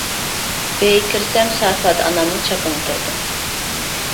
ئۆيگە كىرسەم سافادا ئانامنىڭ چاپىنى تۇرىدۇ.